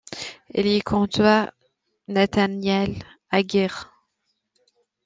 Il y côtoie Nataniel Aguirre.